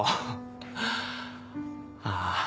ああ。